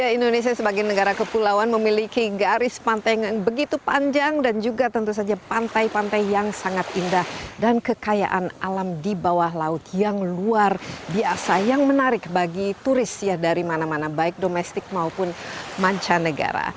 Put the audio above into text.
indonesia sebagai negara kepulauan memiliki garis pantai yang begitu panjang dan juga tentu saja pantai pantai yang sangat indah dan kekayaan alam di bawah laut yang luar biasa yang menarik bagi turis dari mana mana baik domestik maupun mancanegara